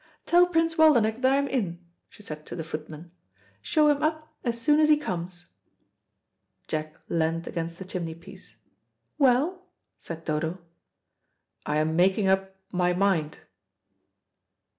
Tell Prince Waldenech that I am in," she said to the footman. "Show him up as soon as he comes." Jack leant against the chimney piece. "Well?" said Dodo. "I am making up my mind."